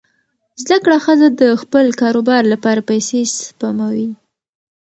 زده کړه ښځه د خپل کاروبار لپاره پیسې سپموي.